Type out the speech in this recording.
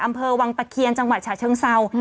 อำเภอวังตะเคียนจังหวัดฉะเชิงเศร้า